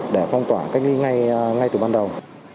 để phong tỏa cách ly ngay từ ban đầu